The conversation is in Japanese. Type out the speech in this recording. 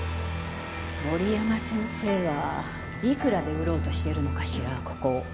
森山先生はいくらで売ろうとしてるのかしらここを。